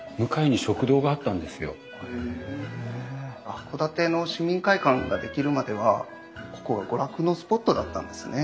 函館の市民会館が出来るまではここは娯楽のスポットだったんですね。